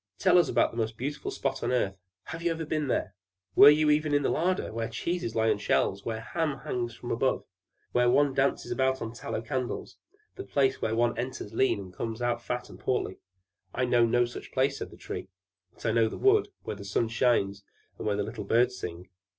"Tell us about the most beautiful spot on the earth. Have you never been there? Were you never in the larder, where cheeses lie on the shelves, and hams hang from above; where one dances about on tallow candles: that place where one enters lean, and comes out again fat and portly?" "I know no such place," said the Tree. "But I know the wood, where the sun shines and where the little birds sing."